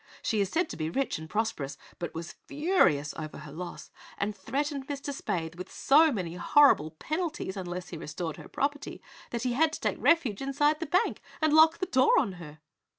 She is said to be rich and prosperous, but was furious over her loss and threatened Mr. Spaythe with so many horrible penalties, unless he restored her property, that he had to take refuge inside the bank and lock the door on her."